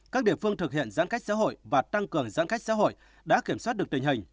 các địa phương thực hiện giãn cách xã hội và tăng cường giãn cách xã hội đã kiểm soát được tình hình